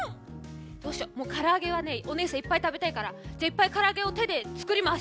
どうしようからあげはねおねえさんいっぱいたべたいからじゃいっぱいからあげをてでつくります。